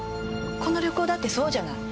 この旅行だってそうじゃない。